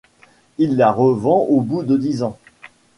Il la revend au bout de dix ans.